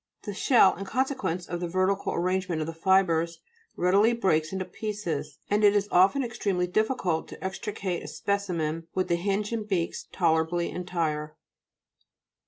The shell, in consequence of the vertical arrange ment of the fibres, readily breaks to pieces, and it is often extremely dif ficult to extricate a specimen with the hinge and beaks tolerably entire.